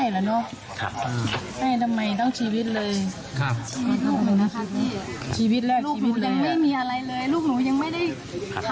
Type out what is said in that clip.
เราจะให้อภัยไหมครับ